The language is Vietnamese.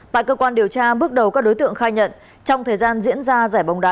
tại cơ quan điều tra bước đầu các đối tượng khai nhận trong thời gian diễn ra giải bóng đá